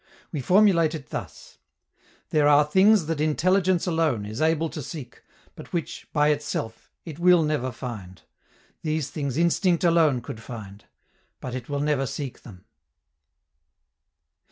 We formulate it thus: _There are things that intelligence alone is able to seek, but which, by itself, it will never find. These things instinct alone could find; but it will never seek them.